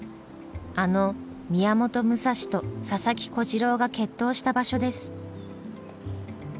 あの宮本武蔵と佐々木小次郎が決闘した場所です。